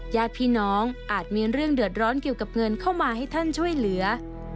ญาติพี่น้องอาจมีเรื่องเดือดร้อนเกี่ยวกับเงินเข้ามาให้ท่านช่วยเหลือ